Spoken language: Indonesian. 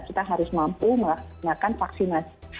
kita harus mampu melaksanakan vaksinasi